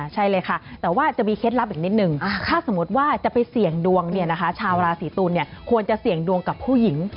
ใช่เลยค่ะแต่ว่าจะมีเคล็ดลับอีกนิดนึงถ้าสมมติว่าจะไปเสี่ยงดวงเนี่ยนะคะชาวราศีตุลควรจะเสี่ยงดวงกับผู้หญิง